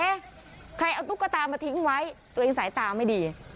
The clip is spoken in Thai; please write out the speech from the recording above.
ใครเอาตุ๊กตามาทิ้งไว้ตัวเองสายตาไม่ดี